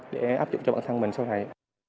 để áp dụng cho bản thân mình sau này